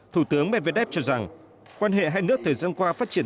thủ tướng medvedev cho rằng quan hệ hai nước thời gian qua phát triển